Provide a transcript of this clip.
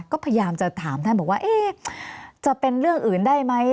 ก็พยายามจะถามท่านบอกว่าจะเป็นเรื่องอื่นได้ไหม